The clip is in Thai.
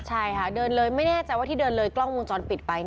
ใช่ค่ะเดินเลยไม่แน่ใจว่าที่เดินเลยกล้องวงจรปิดไป